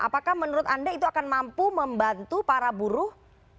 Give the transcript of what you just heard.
apakah menurut anda itu akan mampu membantu para buruh